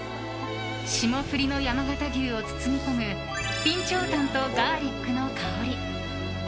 霜降りの山形牛を包み込む備長炭とガーリックの香り。